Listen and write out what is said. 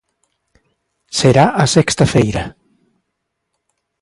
Será a sexta feira.